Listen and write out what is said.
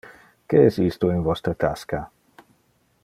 Que es isto in vostre tasca?